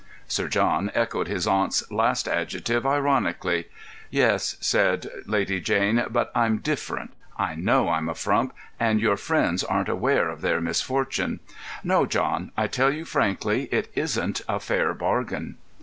Sir John echoed his aunt's last adjective ironically. "Yes," said Lady Jane, "but I'm different. I know I'm a frump, and your friends aren't aware of their misfortune. No, John, I tell you frankly, it isn't a fair bargain."